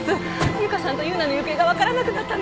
由香さんと優奈の行方が分からなくなったんです